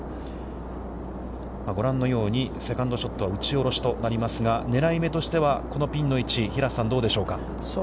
ご覧のようにセカンドショットは打ちおろしとなりますが、狙いめとしてはこのピンの位置、平瀬さん、どうでしょうか。